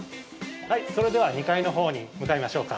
それでは２階のほうに向かいましょうか。